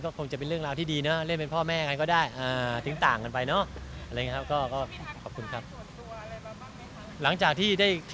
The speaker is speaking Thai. ก็คงจะเป็นเรื่องราวที่ดีเนอะเล่นเป็นพ่อแม่กันก็ได้